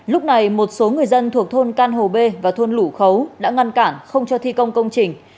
lúc này một số người dân thuộc thôn can hồ b và thôn lũ khấu đã ngăn cản không cho thi công công trình